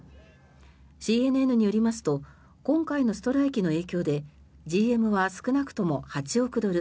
ＣＮＮによりますと今回のストライキの影響でＧＭは少なくとも８億ドル